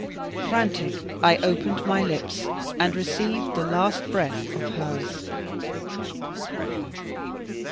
Frantic, I opened my lips, and received the last breath of hers.